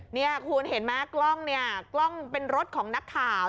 นี่คุณเห็นไหมกล้องเป็นรถของนักข่าว